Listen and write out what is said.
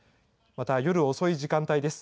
また夜遅い時間帯です。